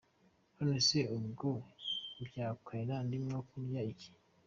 None se ubwo byakwera ndimo kurya iki?”.